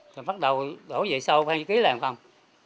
thì bắt đầu đổ về sau phan giấy ký làm không